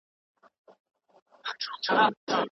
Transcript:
که تا ته څوک بد ووايي، غبرګون مه ښيه.